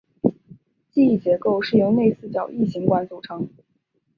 机翼结构是由内四角异型管组成。